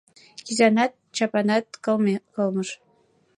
Кизанат, чапанат кылмыш.